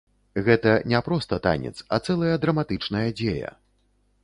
Гэта не проста танец, а цэлая драматычная дзея.